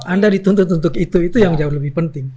anda dituntut untuk itu itu yang jauh lebih penting